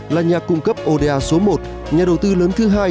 là nhà cung cấp oda số một nhà đầu tư lớn thứ hai